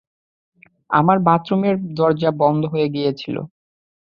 আমার বাথরুমের দরজা বন্ধ হয়ে গিয়েছিল।